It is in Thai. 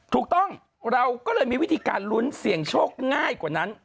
ถูกต้องเราก็เลยมีวิธีการลุ้นเสี่ยงโชคง่ายกว่านั้น